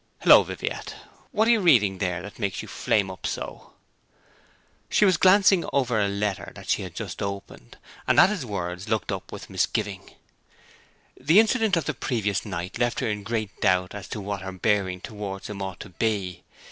'Hullo, Viviette, what are you reading there that makes you flame up so?' She was glancing over a letter that she had just opened, and at his words looked up with misgiving. The incident of the previous night left her in great doubt as to what her bearing towards him ought to be.